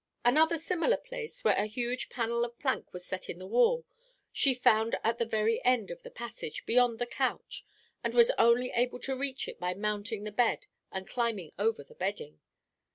Another similar place, where a huge panel of plank was set in the wall, she found at the very end of the passage, beyond the couch, and was only able to reach it by mounting the bed and climbing over the bedding.